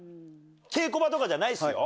稽古場とかじゃないですよ。